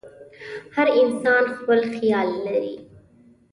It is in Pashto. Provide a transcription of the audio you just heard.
هر انسان خپل خیال لري.